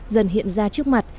dần hiện ra trước mặt